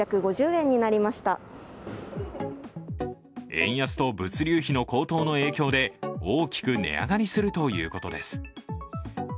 円安と物流費の高騰の影響で大きく値上がりするということです。